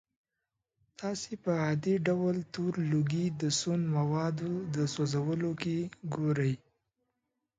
تاسې په عادي ډول تور لوګی د سون موادو د سوځولو کې ګورئ.